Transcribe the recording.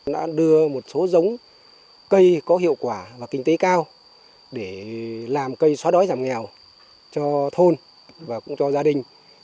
đã đưa một số giống cây có hiệu quả và kinh tế cao để làm cây xóa đói giảm nghèo cho thôn và cũng cho gia đình